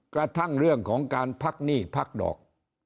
กระทั่งเรื่องของการพักหนี้พักดอก